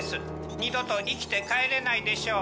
二度と生きて帰れないでしょう。